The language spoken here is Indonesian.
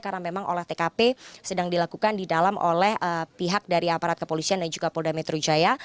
karena memang oleh tkp sedang dilakukan di dalam oleh pihak dari aparat kepolisian dan juga polda metro jaya